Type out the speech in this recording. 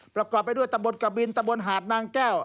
ประกอบไปด้วยตำบลกะบินตะบนหาดนางแก้ว